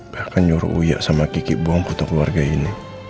bahkan nyuruh uyak sama kiki buang foto keluarga ini